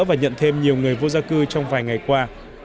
và nhận thêm nhiều người vô gia cư trong vài ngày qua